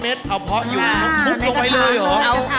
เอาเพาะอยู่ทุกลงไปเลยหรือ